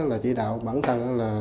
là chỉ đạo bản thân là